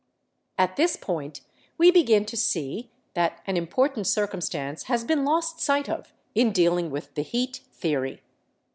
At this point we begin to see that an important circumstance has been lost sight of in dealing with the heat theory.